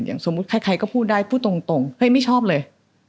สมมุติใครก็พูดได้พูดตรงเฮ้ยไม่ชอบเลย